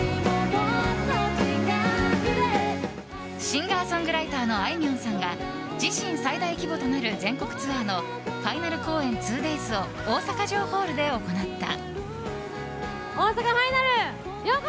シンガーソングライターのあいみょんさんが自身最大規模となる全国ツアーのファイナル公演２デイズを大阪城ホールで行った。